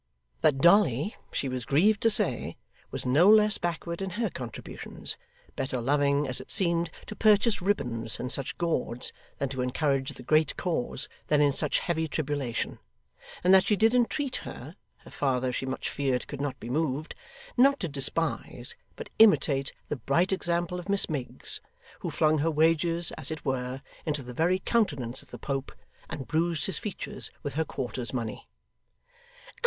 That Dolly, she was grieved to say, was no less backward in her contributions, better loving, as it seemed, to purchase ribbons and such gauds, than to encourage the great cause, then in such heavy tribulation; and that she did entreat her (her father she much feared could not be moved) not to despise, but imitate, the bright example of Miss Miggs, who flung her wages, as it were, into the very countenance of the Pope, and bruised his features with her quarter's money.